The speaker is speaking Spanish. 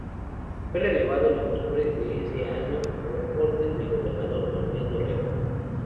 Fue relevado en octubre de ese año por orden del gobernador Manuel Dorrego.